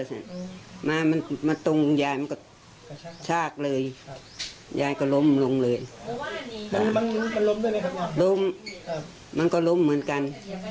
ล้มมันก็ล้มเหมือนกัน